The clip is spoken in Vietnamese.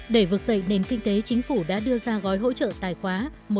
để vượt dậy nền kinh tế chính phủ đã đưa ra gói hỗ trợ tài khoá